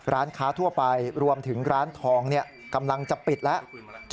ร้านค้าทั่วไปรวมถึงร้านทองกำลังจะปิดแล้ว